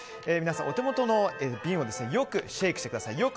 皆さん、お手元の瓶をよくシェイクしてください。